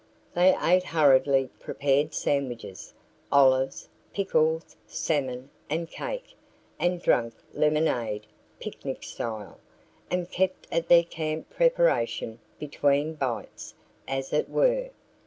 They ate hurriedly prepared sandwiches, olives, pickles, salmon, and cake, and drank lemonade, picnic style, and kept at their camp preparation "between bites," as it were.